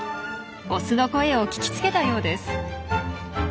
オスの声を聞きつけたようです。